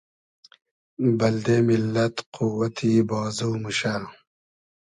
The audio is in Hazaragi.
بئلدې میللئد قووئتی بازو موشۂ